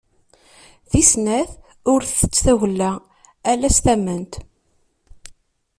Tis snat: ur tett tagella ala s tamment.